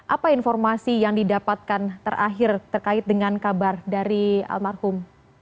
apa informasi yang didapatkan terakhir terkait dengan kabar dari almarhum